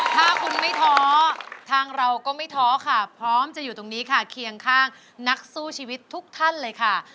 ถ้าคุณไม่ท้อทางเราก็ไม่ท้อค่ะพร้อมจะอยู่ตรงนี้ค่ะเคียงข้างนักสู้ชีวิตทุกท่านเลยค่ะ